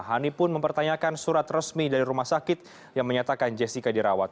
hani pun mempertanyakan surat resmi dari rumah sakit yang menyatakan jessica dirawat